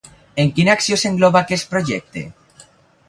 En quina acció s'engloba aquest projecte?